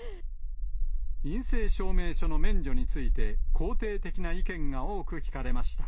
陰性証明書の免除について、肯定的な意見が多く聞かれました。